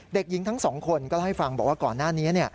เด็กหญิงทั้งสองคนก็เล่าให้ฟังบอกว่าก่อนหน้านี้